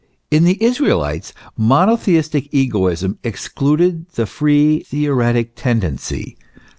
In the Israelites, monotheistic egoism excluded the free theoretic tendency.